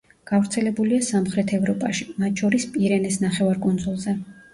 გავრცელებულია სამხრეთ ევროპაში, მათ შორის პირენეს ნახევარკუნძულზე.